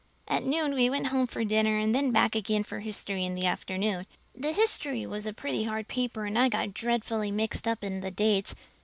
"At noon we went home for dinner and then back again for history in the afternoon. The history was a pretty hard paper and I got dreadfully mixed up in the dates.